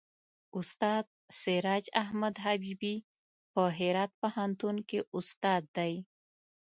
استاد سراج احمد حبیبي په هرات پوهنتون کې استاد دی.